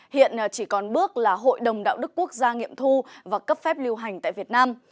hiện chỉ còn bước là hội đồng đạo đức quốc gia nghiệm thu và cấp phép lưu hành tại việt nam